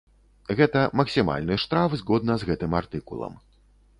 Гэта максімальны штраф згодна з гэтым артыкулам.